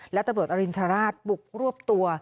และตำรวจอรินทราชบุกรวบตัว